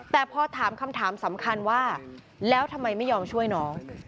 แต่พอถามคำถามสำคัญว่าแล้วทำไมไม่ยอมช่วยน้อง